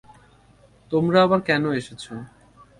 তোমরা আবার কেন এসেছো?